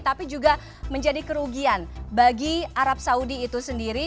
tapi juga menjadi kerugian bagi arab saudi itu sendiri